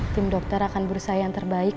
tim dokter akan berusaha yang terbaik